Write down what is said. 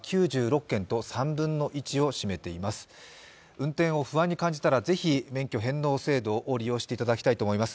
運転を不安に感じたらぜひ免許返納制度を利用していただきたいと思います。